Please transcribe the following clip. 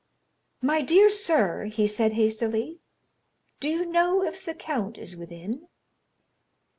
"My dear sir," he said, hastily, "do you know if the count is within?"